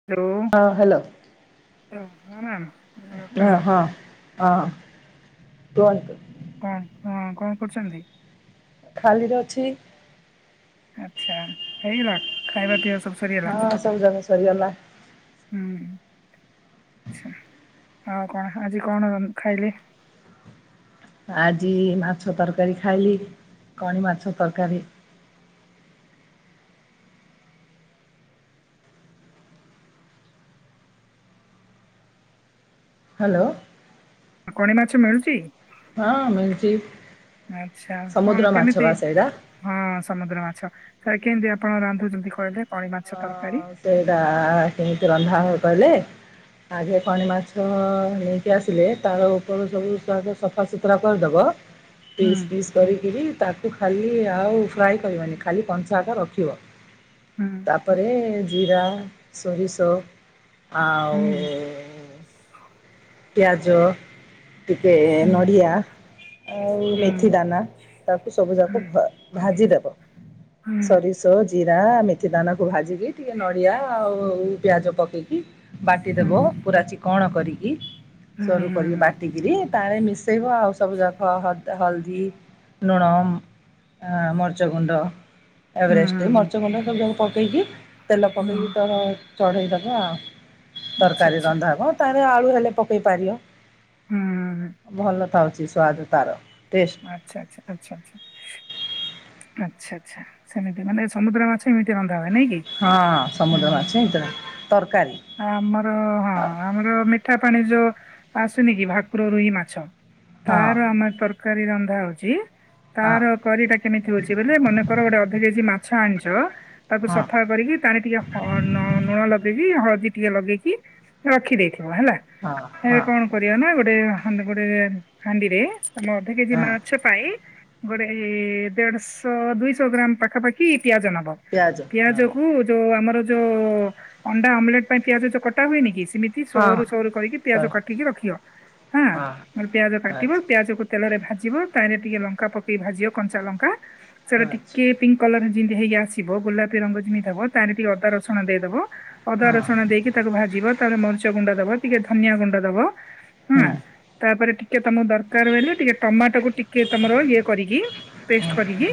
। [unintelligible] ହଁ ହାଲୋ। [unintelligible] କୁହ ଆଫ୍ଟରନୁନ୍ ହଁ ହଁ କୁହନ୍ତୁ? କଣ ହଁ କଣ କରୁଚନ୍ତି? ଖାଲିରେ ଅଛି ଆଚ୍ଛା ହେଇଗଲା ଖାଇବା ପିଇବା ସବୁ ସରିଗଲା? ହଁ ସବୁ ଜାକ ସରିଗଲା ହୁଁ ଛା ହଁ କଣ ଆଜି କଣ ରନ୍ ଖାଇଲେ? ଆଜି ମାଛ ତରକାରୀ ଖାଇଲି କଣି ମାଛ ତରକାରୀ। ହାଲୋ। କଣି ମାଛ ମିଳୁଚି? ହଁ ମିଳୁଛି ଆଚ୍ଛା ସମୁଦ୍ର କଣ ମାଛ କେମିତି? ବା ସେଇଟା ହଁ ସମୁଦ୍ର ମାଛ ଥରେ କେମିତି ଆପଣ ରାନ୍ଧୁଚନ୍ତି କହିଲେ କଣି ମାଛ ତରକାରୀ? ହଁ ସେଇଟା ଆ ଆ କେମିତି ରନ୍ଧା ହବ କହିଲେ ଆଗେ କଣି ମାଛ ଅ ଅ ଅ ନେଇକି ଆସିଲେ ତାର ଉପରୁ ସବୁ [unintelligible] ସଫାସୁତୁରା କରିଦବ ହୁଁ ପିସ୍ ପିସ୍ କରିକିରି ତାକୁ ଖାଲି ଆଉ ଫ୍ରାଏ କରିବନି ଖାଲି କଞ୍ଚାଟା ରଖିବ। ହୁଁ ଉପରେ ଜିରା, ସୋରିଷ ଆଉ ଉ ହୁଁ ଉ ଉ ପିଆଜ ଟିକେ ହୁଁ ନଡ଼ିଆ ଆଉ ହୁଁ ମେଥି ଦାନା ତାକୁ ସବୁ ଯାକ ଭା ଭାଜିଦବ। ହଁ। ସୋରିଷ, ଜିରା, ମେଥି ଦାନାକୁ ଭାଜିକି ଟିକେ ନଡ଼ିଆ ଆଉ ଉ ଉ ପିଆଜ ପକେଇକି ହୁଁ ବାଟିଦବ ପୁରା ଚିକଣ କରିକି ହୁଁ ହୁଁ ସରୁ କରିକି ବାଟିକିରି ତାଁ ରେ ମିଶ ସେଇବ ଆଉ ସବୁ ଜାଖ ହଦ ହଲଦୀ, ନୁଣ ଆଁ ମରିଚ ଗୁଣ୍ଡ ହୁଁ ଏଭରେଷ୍ଟ ହୁଁ ହୁଁ ମରିଚ ଗୁଣ୍ଡ ସବୁ ଯାକ ପକେଇକି ତେଲ ପକେଇକି ହୁଁ ତର ଚଢ଼େଇଦବ ଆଉ ଆଚ୍ଛା ତରକାରୀ ଆଚ୍ଛା ରନ୍ଧା ହବ ତାରେ ଆଳୁ ହେଲେ ପକେଇ ପାରିବ। ହୁଁ ଭଲ ଥାଉଚି ସୁଆଦ ତାର ଟେଷ୍ଟ। ଆଚ୍ଛା ଆଚ୍ଛା ଆଚ୍ଛା ଆଚ୍ଛା ଆଚ୍ଛା ଆଚ୍ଛା ସେମିତି ମାନେ ସମୁଦ୍ର ମାଛ ଏମିତି ରନ୍ଧା ହୁଏ ନାଇଁକି? ହଁ ହୁଁ ସମୁଦ୍ର ମାଛ ହେଇଥିଲା ତରକାରୀ ଆମର ହଁ ଆମର ମିଠା ପାଣି ଯୋଉ ଆସୁନି କି ଭାକୁର ରୋହି ମାଛ ତାର ଆମେ ତର ତରକାରୀ ରନ୍ଧା ହଉଛି, ହଁ ତାର କରିଟା କେମିତି ହଉଛି ବୋଲେ -ମନେ କର ଗୋଟେ ଅଧ କେଜି ମାଛ ଆଣିଛ, ତାକୁ ହଁ ସଫା କରିକି ତାର ଟିକେ ହ ଲୁଣ ଲଗେଇକି, ହଳଦୀ ଟିକେ ଲଗେଇକି ରଖିଦେଇଥିବ ହେଲା, ହଁ ଏବେ ହଁ କଣ? କରିବା ନା, ଗୋଟେ ଗୋଟେ ହାଣ୍ଡିରେ ତମ ଅଧ କେଜି ମା ହଁ ମାଛ ପାଇଁ ଗୋଟେ ଦେଢଶହ ଦୁଇଶହ ଗ୍ରାମ ପାଖାପାଖି ପିଆଜ ନବ। ପିଆଜ କୁ ଯୋଉ, ଆମର ଯୋଉ ଅଣ୍ଡା ଆମଲେଟ ପାଇଁ ପିଆଜ ଯୋଉ କଟା ହୁଏନି କି? ସେମିତି ହଁ ହଁ ସରୁ ସରୁ କରିକି ସାର୍ ପିଆଜ କାଟିକି ରଖିବ, ହଁ ହାଁ, ପିଆଜ କାଟିବ ଆଚ୍ଛା ପିଆଜକୁ ତେଲରେ ଭାଜିବ, ତାରେ ଟିକେ ଲଙ୍କା ପକେଇ ଭାଜିବ କଞ୍ଚା ଲଙ୍କା, ସେଟା ଆଚ୍ଛା ଟିକେ ପିଙ୍କ କଲର ଯେମିତି ହେଇ ଆସିବ, ଗୋଲାପୀ ରଙ୍ଗ ଯେମିତି ହବ, ତାର ଟିକ ଅଦା ରସୁଣ ଦେଇଦବ ଅଦା ହଁ ରସୁଣ ଦେଇକି ତାକୁ ଭାଜିବ, ତାପରେ ମରିଚ ଗୁଣ୍ଡ ଦବ, ଟିକେ ଧନିଆ ଗୁଣ୍ଡ ଦବ। ହଁ, ହୁଁ ତାପରେ ଟିକେ ତମକୁ ଦରକାର ବଲେ ଟିକେ ଟମାଟୋକୁୁ ଟିକେ ତମର ଇଏ କରିକି, ପେଷ୍ଟ କରିକି,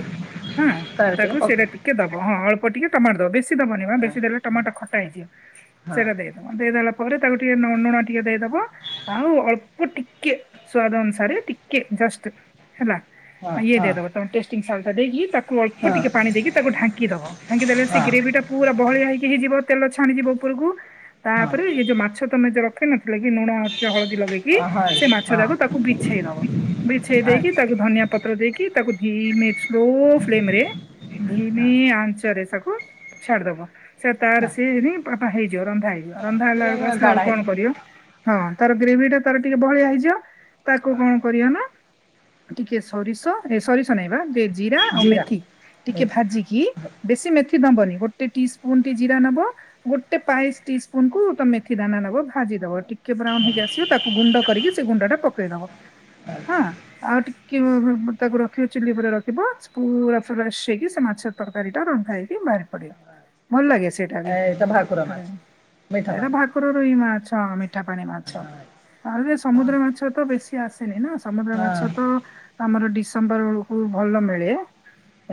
ହଁ ତାର ଟିକେ ତାକୁ ପକା ସେଇଟା ଟି କେ ଦବ, ହଁ ଅଳ୍ପ ଟିକେ ଟମାଟ ଦବ, ବେଶୀ ଦବନି ବା ହଁ ବେଶୀ ଦେଲେ ଟମାଟ ଖଟା ହେଇଯିବ, ହଁ ସେଇଟା ଦେଇଦବ। ଦେଇଦେଲା ପରେ ତାକୁ ଟିକେ ନନୁଣ ଟିକେ ଦେଇଦବ। ଆଉ ଅଳ୍ପ ଟିିକେ ସୁଆଦ ଅନୁସାରେ ଟିିକେ ଜଷ୍ଟ ହେଲା ହଁ ଇଏ ହଁ ଦେଇଦବ କନଟେଷ୍ଟି ସଲ୍ଟ ଦେଇକି ତାକୁ ଅଳ୍ପ ହଁ ଟିକେ ପାଣି ଦେଇକି ତାକୁ ଢାଙ୍କିଦବ। ଢାଙ୍କି ଦେଲେ ସେ ହଁ ଗ୍ରେଭି ଟା ପୁରା ବହଳିଆ ହେଇକି ହେଇଯିବ, ତେଲ ଛାଣିଯିବ ଉପରକୁ, ହଁ ତାପରେ ଇଏ ଯୋଉ ମାଛ ତମ ଯୋଉ ର ନଥିଲେ କି ଲୁଣ ହଉଛି ହଳଦୀ ଲଗେଇକି, ଅ ହଇ ସେ ମାଛ ହଁ ଯାକ ତାକୁ ବିଛେଇ ଦବ, ବିଛେଇ ଦେଇକି ଆଚ୍ଛା ତାକୁ ଧନିଆ ପତ୍ର ଦେଇକି, ତାକୁ ଧୀମ ସ୍ଲୋସ୍ଲିମରେ ଭୂମି ହଁ ହଁ ଆଞ୍ଚରେ ସବୁ ଛାଡିଦବ। ସେ ତାର ସିଏ ହେଇଯିବ, ରନ୍ଧା ହେଇଯିବ, ରନ୍ଧା ହେଲା ବେଳକୁ ଟିକେ ଆସିଲା ଗାଢା ବେଳକୁ କଣ ହେଇଥିବ କରିବ? ହଁ ତାର ଗ୍ରେଭି ଟା ତାର ଟିକେ ବହଳିଆ ହେଇଯିବ, ତାକୁ କଣ? କରିବା ନା, ଟିକେ ସୋରିଷ ଏ ସୋରିଷ ନାଇବା, ଜିରା ଆଉ ମେଥି ଟିକେ ଭାଜିକି ବେଶୀ ମେଥି ଦବନି, ଗୋଟେ ଟି ସ୍ପୁନ ଟି ଜିରା ନବ। ଗୋଟେ ପାଇଶ ଟି ସ୍ପୁନ କୁ ତ ମେଥି ଦାନା ନବ ଭାଜି ଦବିକେ କେ ବ୍ରାଉନ ହେଇକି ଆସିବ ତାକୁ ଗୁଣ୍ଡ କରିକି ସେ ଗୁଣ୍ଡ ଟା ପକେଇଦବ। ହଁ ଆଉ ଟିକେ ତାକୁ ରଖିବ, ଚୁଲି ଉପରେ ରଖିବ, ପୁରା ଫ୍ରେଶ ହେଇକି ସେ ମାଛ ତରକାରୀ ଟା ରନ୍ଧା ହେଇକି ବାହାରି ପଡିବ, ଭଲ ଲାଗେ ସେଇଟା। ବି ଏ ଏଇତ ଭାକୁରା ମାଛ। ମିଠା ଏଇଟା ପାଣି ଭାକୁରରୋହି ମାଛ ମିଠା ପାଣି ମାଛ, ହଁ ଆ ହଁ ସମୁଦ୍ର ମାଛ। ମାଛ ତ ବେଶି ଆସେନି ନା ସମୁଦ୍ର ମାଛ ତ ହଁ ଆମର ଡିସେମ୍ବର ବେଳକୁ ଭଲ ମିଳେ,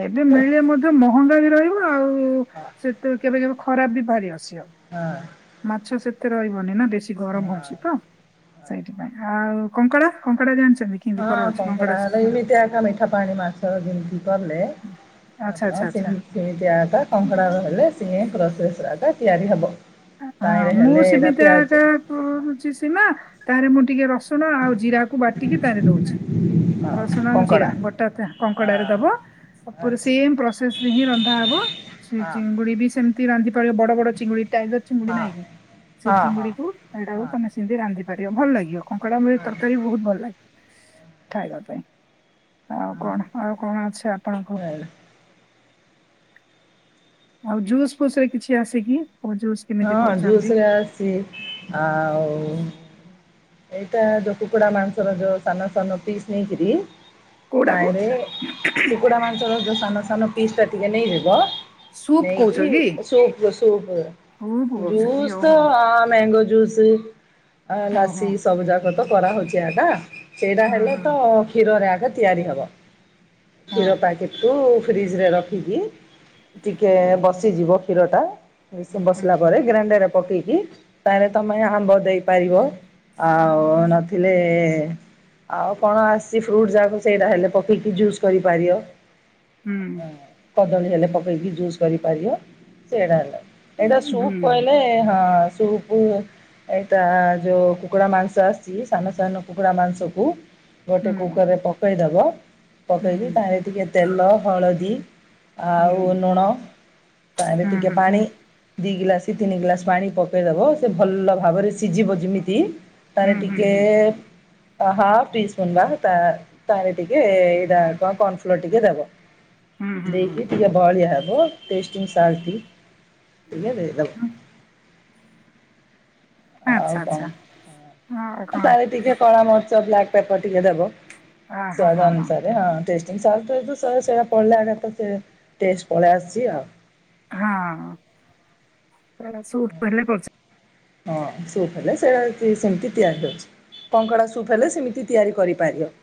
ଏବେ ମିଳେ ମଧ୍ୟ ମହଙ୍ଗା ବି ରହିବ। ଆଉ ସେ ତୁ କେବେ କେବେ ଖରାପ ବି ବାହାରି ଅସି ଆଉ ହଁଅଁ ମାଛ ସେତେ ରହିବନି ନା, ବେଶୀ ଗରମ ହଁ ହଉଛି ତ। ହଁ ସେଇଥି ପାଇଁ ଆଉ କଙ୍କଡା କଙ୍କଡା ଜାଣିଛନ୍ତି କି? ହଁ କଙ୍କଡା ହେଲେ ଏମିତି ଏକା ମିଠା ପାଣି ମାଛ ଯେମିତି କଲେ ଆ ଆଚ୍ଛା ତା ଆଚ୍ଛା ଆଚ୍ଛା ସେଇ ତିମିତିଆ କଙ୍କଡ଼ା ରହିଲେ [unintelligible] ତିଆରି ହବ। ତାଇରେ ହେଲେ ଏଇଟା ପିଆଜ। ହ ହଉଛି ସୀମା, ତାରେ ମୁଁ ଟିକେ ରସୁଣ ଆଉ ଜିରାକୁ ବାଟିକି ତାରେ ଦଉଛି। ହଁ ରସୁଣ ଆଉ ଜିରା କଙ୍କଡ଼ା ଗୋଟା କଙ୍କଡା ରେ ହଁ ଦବ। ତାପରେ ଆଚ୍ଛା ସେମ ପ୍ରସେସ ସେ ହିଁ ରନ୍ଧା ହବ ସେ ହଁ ଚିଙ୍ଗୁଡି ବି ସେମିତି ରାନ୍ଧି ପାରିବ ବଡ ବଡ ଚିଙ୍ଗୁଡି ଟା ଚିଙ୍ଗୁଡି ହଁ ନହିଁନି ସେ ହଁ ଚିଙ୍ଗୁଡି କୁ ଏଇଟାକୁ ତମେ ସେମିତି ରାନ୍ଧି ପାରିବ ଭଲ ଲାଗିବ କଙ୍କଡା ହଁ ମିଲ ତରକାରୀ ହଁ ବହୁତ ଭଲ ଲାଗେ ଖାଇବା ପାଇଁ। ଆଉ କଣ ଆଉ କଣ ଅଛି ଆପଣଙ୍କ ହଁ ଆଉ ଜୁସ୍ ଫୁସ୍ ରେ କିଛି ଆସେକି ଓ ଜୁସ୍ କେମିତି ହଁ କରୁଛନ୍ତି ଜୁସରେ ଆସିଛି ଆଉ ଏଇଟା ଯୋ କୁକୁଡ଼ା ମାଂସର ଯୋ ସାନ ସାନ ପିସ ନେଇକରି କୋଉଟାକୁ ତାରେ କୁକୁଡ଼ା ମାଂସର ଯୋ ସାନ ସାନ ପିସ୍ କାଟିିକି ନେଇଯିବ। ସୁପ୍ କହୁଛ ନେଇକି କି ସୂପ ସୂପ୍ ସୁପ୍ କହୁଛ କି ଜୁସ୍ ତ ଓହୋ ମ୍ୟାଙ୍ଗୋ ଜୁସ୍ ଓହୋ ଲସି ସବୁ ଯାକ କରା ହଉଛି ଆଗା ସେଇଟା ହୁଁ ହେଲେ ହୁଁ ତ କ୍ଷୀରରେ ଆଗ ତିଆରି ହବ। ହଁ କ୍ଷୀର ପାକେଟରୁ ଫ୍ରିଜରେ ରଖିକି ଟିକେ ବ ଯିବ କ୍ଷୀରଟା ହୁଁ ବସିଲା ପରେ ଗ୍ରାଇଣ୍ଡେରେ ପକେଇକି ତାହେଲେ ତମେ ଆମ୍ବ ଦେଇପାରିବ। ହୁଁ ଆଉ ହୁଁ ନଥିଲେ ଆଉ କଣ ଆସିଛି ଫ୍ରୁଟ ଯାକ ସେଇଟା ହେଲେ ପକେଇକି ଜୁସ କରିପାରିବ। ହୁଁ। ହଁ, କଦଳୀ ହେଲେ ପକେଇକି ଜୁସ କରିପାରିବ। ସେଇଡ଼ା ହେଲା ଏଟା ହୁଁ ହୁଁ ସୂପକହିଲେ ହଁ ସୁପ ଏଇଟା ଯଉ କୁକୁଡ଼ା ମାଂସ ଆସିଛି ସାନ ସାନ କୁକୁଡ଼ା ମାଂସକୁ ଗୋଟେ ହୁଁ କୁକରରେ ପକେଇଦବ। ପକାଇକି ତାରେ ଟିକେ ତେଲ ହଳଦୀ ଆଉ ଲୁଣ ତାରେ ଟିକେ ପାଣି। ଦି ଗିଲାସେ ତିନି ଗିଲାସେ ପାଣି ପକେଇ ଦବ ସେ ଭଲ ଭାବରେ ସିଝିବ ଯେମିତି। ତାରେ ଟିକେ ଏ ହାଫ ଟି ସ୍ପୁନ୍ ବା ତାରେ ଟିକେ ଏଇଟା କଣ କର୍ଣଫ୍ଲୋର ଟିକେ ଦବ। ଦେଇକି ଟିକେ ବଅଳିଆ ହବ ଟେଷ୍ଟିଂ ସଲଟି ଟିକେ ଦେଇଦେବ। ଆଉ କଣ ଉ ତାର ଟିକେ କଳା ମରଚ ବ୍ଲାକ୍ ପେପର ଟିକେ ଦେବ ସୁଆଦ ଅନୁସାରେ। ହଁ ଟେଷ୍ଟିଙ୍ଗ ସଲ୍ଟଟା ସ ତ ପଇଲା ମାନେ ତ ଟେଷ୍ଟ ପଳେଇ ଆସିଛି ଆଉ। ହଁ ସେ ହେଲେ ପ [unintelligible] ହଁ ସିଏପି ହେଲେ ସେ ସେମିତି ତିଆରି କରୁଛି। କଙ୍କଡା ସୁପ୍ ହେଲେ ସେମିତି ତିଆରି କରିପାରିବ।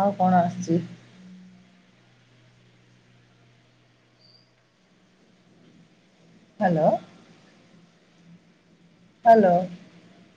ଆଉ କଣ ଆସିଛି? ହ୍ୟାଲୋ। ହ୍ୟାଲୋ।